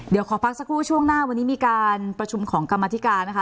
เดี๋ยวขอพักสักครู่ช่วงหน้าวันนี้มีการประชุมของกรรมธิการนะคะ